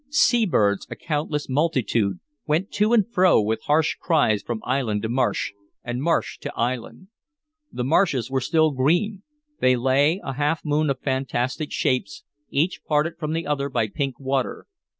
Sea birds, a countless multitude, went to and fro with harsh cries from island to marsh, and marsh to island. The marshes were still green; they lay, a half moon of fantastic shapes, each parted from the other by pink water.